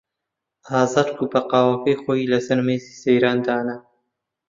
ئازاد کووپە قاوەکەی خۆی لەسەر مێزی سەیران دانا.